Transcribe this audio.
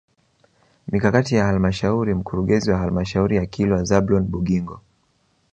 Mikakati ya halmashauri Mkurugenzi wa Halmashauri ya Kilwa Zablon Bugingo